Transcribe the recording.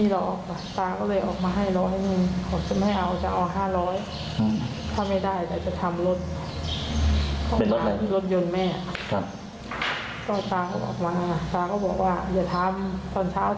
ตอนเช้าก็ไม่สนตาก็จะไปห้ามนั่นแหละพูดง่ายเนอะ